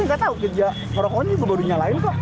saya tahu kerja rokok ini perlu dinyalain pak